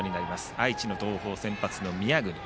愛知の東邦、先発の宮國。